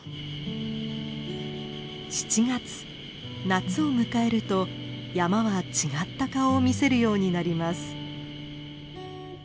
夏を迎えると山は違った顔を見せるようになります。